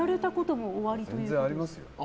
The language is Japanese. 全然ありますよ。